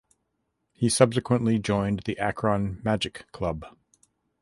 He subsequently joined the Akron Magic Club.